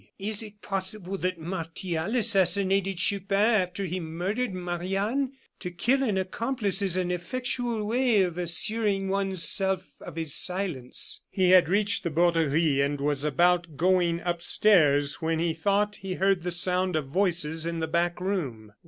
"Is it possible that Martial assassinated Chupin after he murdered Marie Anne? To kill an accomplice is an effectual way of assuring one's self of his silence." He had reached the Borderie, and was about going upstairs, when he thought he heard the sound of voices in the back room.